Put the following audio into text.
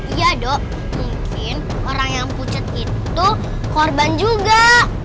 iyadok mungkin orang yang pucat itu korban juga